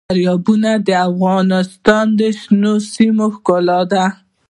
دریابونه د افغانستان د شنو سیمو ښکلا ده.